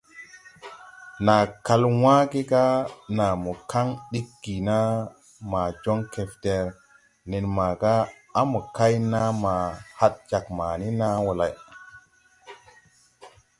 Naa kal wãã ge ga naa mo kaŋ ɗig gi naa ma joŋ kɛfder nen màgà à mo kay naa ma had jāg mani naa wɔ lay.